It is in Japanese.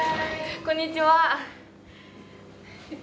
こんにちは。